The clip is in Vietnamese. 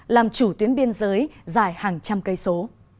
làm chủ tuyến biên giới dài hàng trăm cây số